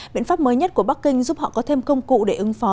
biện pháp mới nhất của bắc kinh giúp họ có thêm công cụ để ứng phó